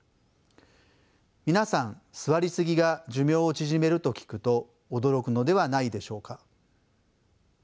皆さん座りすぎが寿命を縮めると聞くと驚くのではないでしょうか？